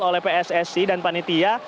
oleh pssc dan panitia